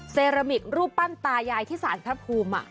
เซรามิกรูปปั้นตายายที่สารพระภูมิ